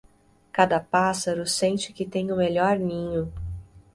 Cada pássaro sente que tem o melhor ninho.